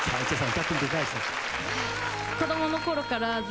歌ってみていかがでしたか？